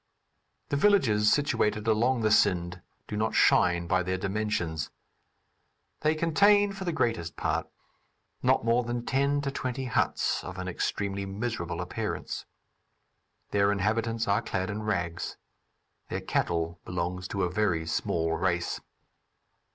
The villages situated along the Sind do not shine by their dimensions. They contain, for the greatest part, not more than ten to twenty huts of an extremely miserable appearance. Their inhabitants are clad in rags. Their cattle belongs to a very small race.